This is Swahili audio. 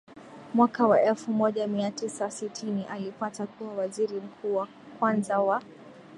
Mwaka wa elfu moja mia tisa sitini alipata kuwa Waziri Mkuu wa kwanza wa